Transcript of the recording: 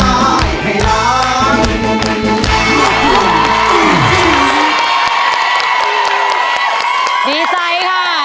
ดีใจค่ะ